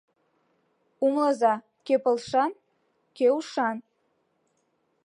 Умылыза Кӧ пылышан, кӧ ушан.